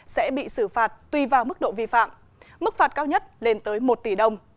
sẽ bị xử phạt tùy vào mức độ vi phạm mức phạt cao nhất lên tới một tỷ đồng